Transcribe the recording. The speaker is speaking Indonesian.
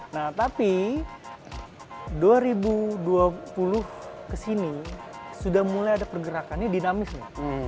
nah tapi dua ribu dua puluh kesini sudah mulai ada pergerakannya dinamis nih